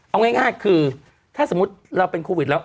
เอาง่ายคือถ้าสมมุติเราเป็นโควิดแล้ว